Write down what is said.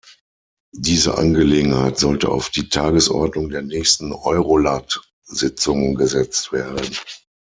Diese Angelegenheit sollte auf die Tagesordnung der nächsten EuroLat-Sitzung gesetzt werden.